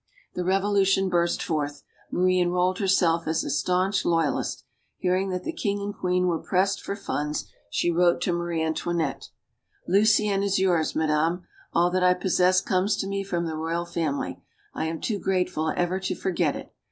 The Revolution burst forth. Marie enrolled herself as a stanch loyalist. Hearing that the king and queen were pressed for funds, she wrote to Marie Antoinette: Luciennes is yours, madame. All that I possess comes to me from the royal family; I am too grateful ever to forget it.